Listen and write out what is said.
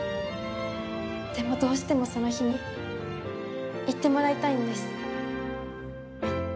でも、どうしてもその日に行ってもらいたいんです。